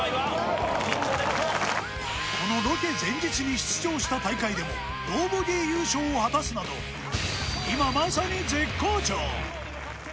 このロケ前日に出場した大会でもノーボギー優勝を果たすなど、今まさに絶好調。